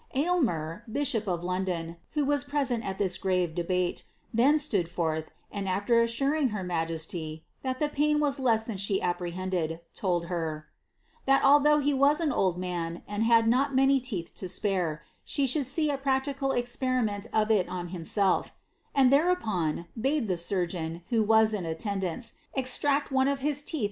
Aylmer, bishop of*London, who wu present at this grave debate, then stood forth, and after assuring her ma Jesiy, that the pain was less than she apprehended, told her that although he was an old man, and had not many teeth to spare, she should see a practical experiment of it on himself," and thereupon, bade the surgeon, who was in attendance, extract one of his teeth in hei ' Camden.